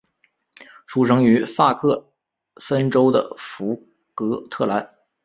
出生于萨克森州的福格特兰。